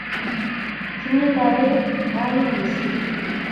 Kimnyet ap pek ko anyiny mising